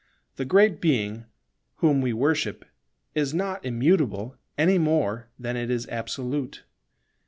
The Great Being whom we worship is not immutable any more than it is absolute.